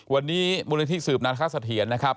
วันนี้มูลนิธิสืบนาธาสะเทียนนะครับ